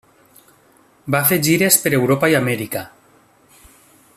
Va fer gires per Europa i Amèrica.